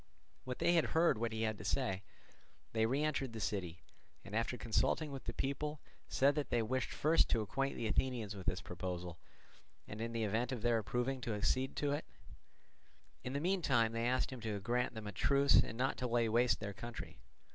When they had heard what he had to say, they re entered the city, and after consulting with the people said that they wished first to acquaint the Athenians with this proposal, and in the event of their approving to accede to it; in the meantime they asked him to grant them a truce and not to lay waste their territory.